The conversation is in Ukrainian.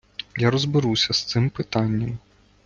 Я розберуся з цим питанням.